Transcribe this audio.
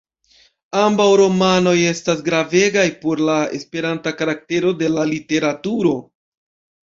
Ambaŭ romanoj estas gravegaj por la esperanta karaktero de la literaturo.